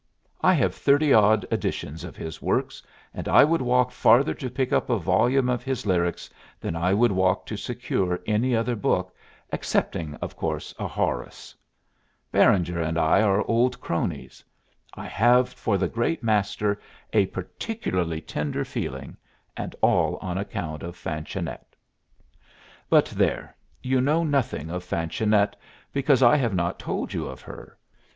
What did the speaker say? I have thirty odd editions of his works, and I would walk farther to pick up a volume of his lyrics than I would walk to secure any other book, excepting of course a Horace. Beranger and I are old cronies. I have for the great master a particularly tender feeling, and all on account of Fanchonette. But there you know nothing of Fanchonette, because I have not told you of her.